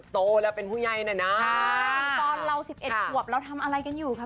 ตอนเรา๑๑ขวบเราทำอะไรกันอยู่ครับ